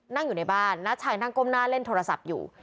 อยู่ในบ้านน้าชายนั่งก้มหน้าเล่นโทรศัพท์อยู่